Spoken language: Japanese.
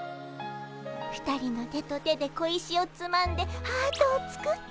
２人の手と手で小石をつまんでハートを作って。